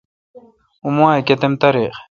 اوں ماہ ئ کتم تاریخ؟